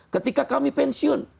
ketika kami pensiun